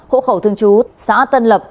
hộ khẩu thương chú xã tân lập